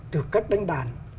từ cách đánh đàn